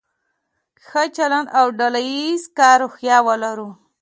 ښه چلند او د ډله ایز کار روحیه ولرو.